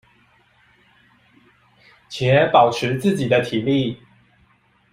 且保持自己的體力